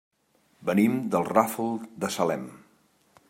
Venim del Ràfol de Salem.